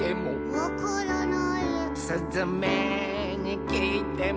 「わからない」「すずめにきいても」